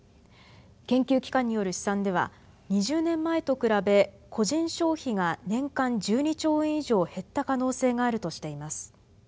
研究機関による試算では２０年前と比べ個人消費が年間１２兆円以上減った可能性があるとしています。